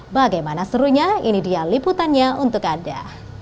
bagaimana serunya ini dia liputannya untuk anda